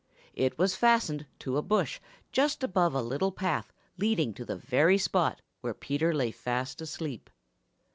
It was fastened to a bush just above a little path leading to the very spot where Peter lay fast asleep.